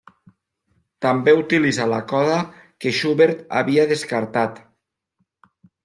També utilitza la coda que Schubert havia descartat.